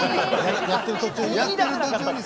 やってる途中に？